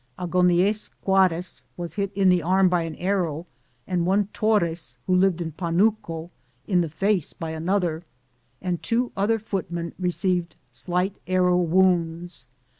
Agoniez Quarez was hit in the arm by an arrow, and one Torres, who lived in Panuco, in the face by another, and two other footmen received slight arrow wounds.